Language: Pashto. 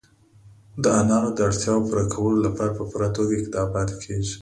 د انارو د اړتیاوو پوره کولو لپاره په پوره توګه اقدامات کېږي.